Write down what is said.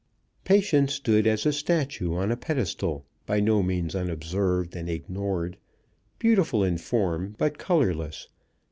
Patience stood as a statue on a pedestal, by no means unobserved and ignored; beautiful in form, but colourless.